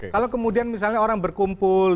kalau kemudian misalnya orang berkumpul